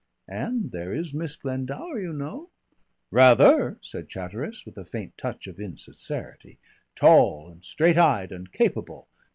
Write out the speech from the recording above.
"And there is Miss Glendower, you know." "Rather!" said Chatteris, with a faint touch of insincerity. "Tall and straight eyed and capable.